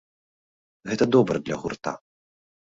Гэта добра для гурта.